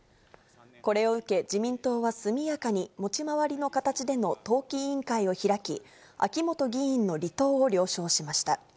これを受け、自民党は速やかに持ち回りの形での党紀委員会を開き、秋本議員の離党を了承しました。